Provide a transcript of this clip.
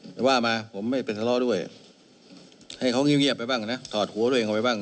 แต่ว่ามาผมไม่ไปทะเลาะด้วยให้เขาเงียบไปบ้างนะถอดหัวตัวเองเข้าไปบ้าง